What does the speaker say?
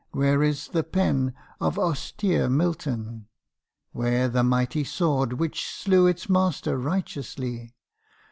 where is the pen Of austere Milton? where the mighty sword Which slew its master righteously?